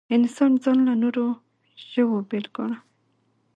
انسان ځان له نورو ژوو بېل ګاڼه.